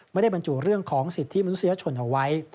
ไม่ได้บรรจุเรื่องของสิทธิมนุษยชนเอาไว้